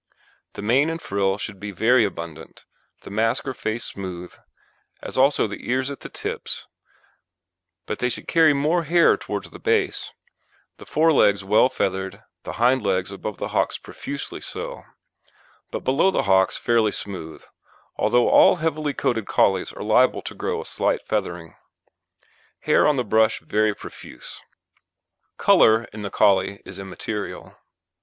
The mane and frill should be very abundant, the mask or face smooth, as also the ears at the tips, but they should carry more hair towards the base; the fore legs well feathered, the hind legs above the hocks profusely so; but below the hocks fairly smooth, although all heavily coated Collies are liable to grow a slight feathering. Hair on the brush very profuse. COLOUR in the Collie is immaterial.